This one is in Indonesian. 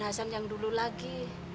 hasan yang dulu lagi